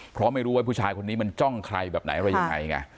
เพราะไม่รู้ว่าผู้ชายคนนี้มันจ้องใครแบบไหนอะไรยังไงไง